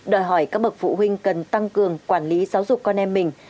đòi hỏi các bậc phụ huynh cần tăng cường quản lý giáo dục con em mình